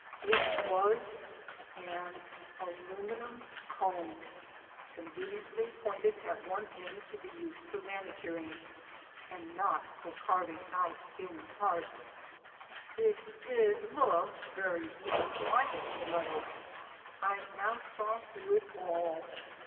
It was an aluminum comb, conveniently pointed at one end to be used for manicuring, and not for carving out human hearts! It did look very much like a stiletto. I now saw through it all.